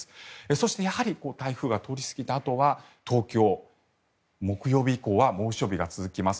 そして、やはり台風が通り過ぎたあとは東京、木曜日以降は猛暑日が続きます。